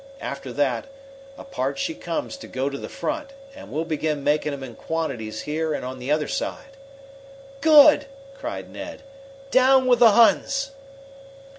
After that, apart she comes to go to the front, and we'll begin making 'em in quantities here and on the other side." "Good!" cried Ned. "Down with the Huns!"